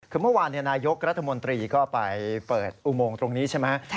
คือเมื่อวานนายกรัฐมนตรีก็ไปเปิดอุโมงตรงนี้ใช่ไหม